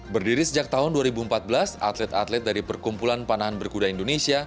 berdiri sejak tahun dua ribu empat belas atlet atlet dari perkumpulan panahan berkuda indonesia